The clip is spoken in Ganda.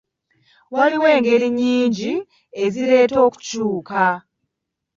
Waliyo engeri nnyingi ezireeta okukyuka.